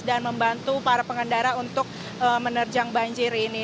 dan membantu para pengendara untuk menerjang banjir ini